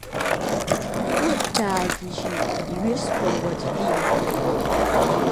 Ахәы даагьежьит, иҩызцәа руаӡә диманы.